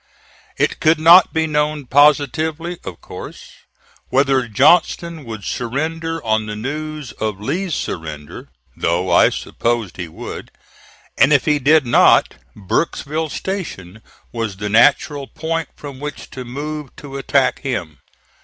It could not be known positively, of course, whether Johnston would surrender on the news of Lee's surrender, though I supposed he would; and if he did not, Burkesville Station was the natural point from which to move to attack him.